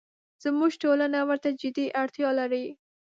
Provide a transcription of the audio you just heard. زموږ ټولنه ورته جدي اړتیا لري.